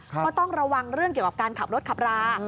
ก็ต้องระวังเรื่องเกี่ยวกับการขับรถขับรา